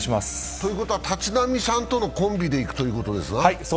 ということは立浪さんとのコンビでいくということですな。